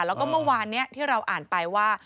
แล้วก็เมื่อวานนี้ที่เราอ่านไปว่า